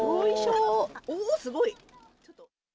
おー、すごい。